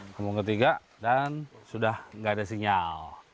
kampung ke tiga dan sudah nggak ada sinyal